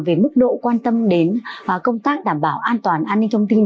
về mức độ quan tâm đến công tác đảm bảo an toàn an ninh thông tin